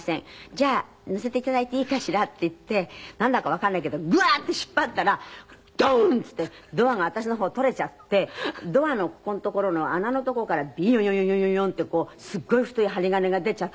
「じゃあ乗せていただいていいかしら？」って言ってなんだかわかんないけどグワーッて引っ張ったらドン！っていってドアが私の方取れちゃってドアのここの所の穴のとこからビヨヨヨヨヨヨンってこうすごい太い針金が出ちゃったの。